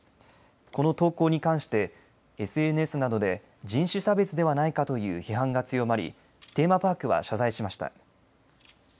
この投稿に関して、ＳＮＳなどで人種差別ではないかという批判が強まりテーマパークは謝罪しました。